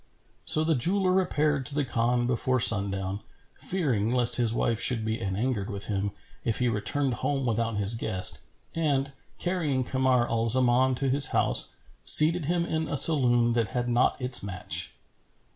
So the jeweller repaired to the Khan before sundown, fearing lest his wife should be anangered with him, if he returned home without his guest; and, carrying Kamar al Zaman to his house, seated him in a saloon that had not its match.